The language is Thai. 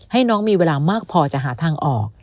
ให้น้องมีเวลามากพอจะหาทางออก